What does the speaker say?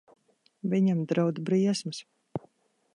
Viņam draud briesmas.